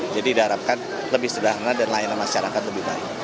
diharapkan lebih sederhana dan layanan masyarakat lebih baik